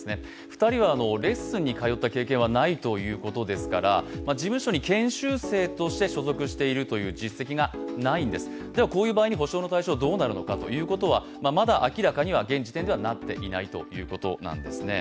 ２人はレッスンに通った経験はないということですから事務所に研修生として所属しているという実績がないんです、こういう場合に補償の対象はどうなるのかというところはまだ明らかには現時点ではなっていないということなんですね。